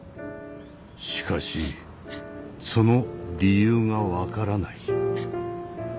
しかしその理由が分からない。